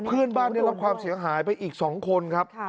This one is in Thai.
เพื่อนบ้านเนี้ยมีความเสียงหายไปอีกสองคนครับค่ะ